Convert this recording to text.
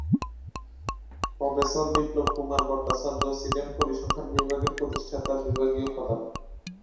Professor Biplab Kumar Bhattacharya ছিলেন পরিসংখ্যান বিভাগের প্রতিষ্ঠাতা বিভাগীয় প্রধান।